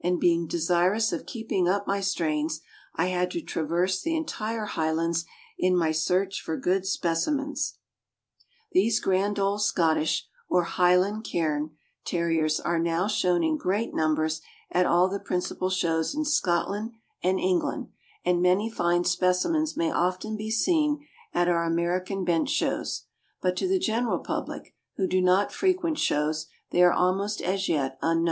being desirous of keeping up my strains, I had to traverse the entire Highlands in my search for good specimens. These grand old Scottish; or Highland cairny Terriers are now shown in great numbers at all the principal shows in Scotland and England, and many tine specimens may often be seen at our American bench shows; but to the general public, who do not frequent shows, they are almost as yet unknown.